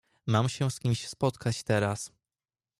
"Mam się z kimś spotkać teraz."